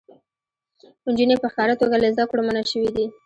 نجونې په ښکاره توګه له زده کړو منع شوې دي.